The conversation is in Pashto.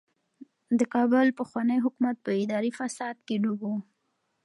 د کابل پخوانی حکومت په اداري فساد کې ډوب و.